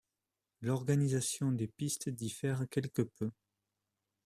L’organisation des pistes diffère quelque peu.